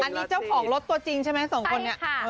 อันนี้เจ้าของรถตัวจริงใช่ไหมสองคนนี้